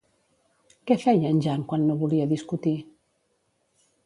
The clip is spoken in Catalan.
Què feia en Jan quan no volia discutir?